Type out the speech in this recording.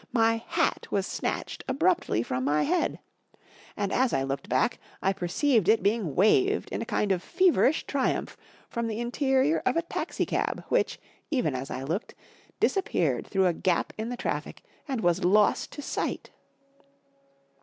My hat was snatched abruptly from my head ! And as I looked back I perceived it being waved in a kind of feverish triumph from the interior of a taxi cab, which, even as I looked, disappeared through a gap in the traffic and was lost to sight."